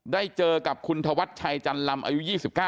ได้เจอกับคุณธวัชชัยจันลำอายุ๒๙